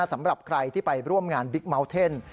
สำหรับใครที่ไปร่วมงานบิ๊กเมาส์เทน